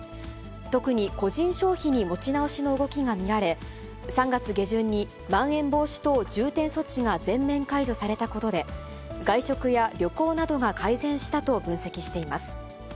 特に個人消費に持ち直しの動きが見られ、３月下旬にまん延防止等重点措置が全面解除されたことで、外食や旅行などが改善したと分析しています。